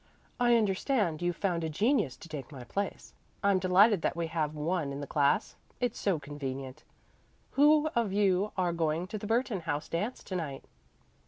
"I understand you've found a genius to take my place. I'm delighted that we have one in the class. It's so convenient. Who of you are going to the Burton House dance to night?"